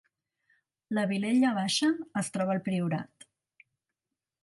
La Vilella Baixa es troba al Priorat